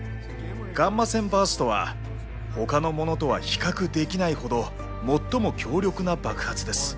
ガンマ線バーストはほかのものとは比較できないほど最も強力な爆発です。